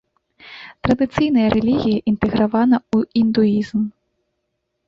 Традыцыйная рэлігія інтэгравана ў індуізм.